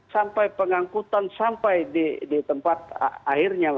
sampai pengangkutan sampai di tempat airnya